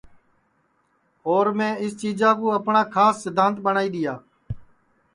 اور میں اِس چیجا کُو اپٹؔا کھاس سدھانت ٻٹؔائی دؔیا